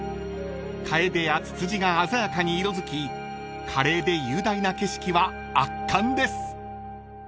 ［カエデやツツジが鮮やかに色づき華麗で雄大な景色は圧巻です］